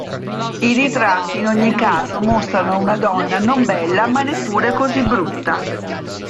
I ritratti, in ogni caso, mostrano una donna non bella ma neppure così brutta.